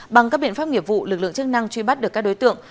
bằng các biện pháp nghiệp vụ lực lượng chức năng truy bắt được các đối tượng